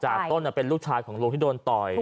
ต้นเป็นลูกชายของลุงที่โดนต่อย